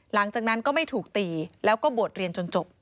หลังจากนั้นก็ไม่ถูกตีแล้วก็บวชเรียนจนจบ